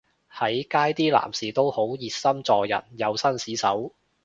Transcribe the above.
喺街啲男士都好熱心助人又紳士手